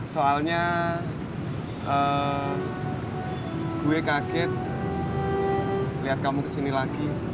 soalnya gue kaget lihat kamu kesini lagi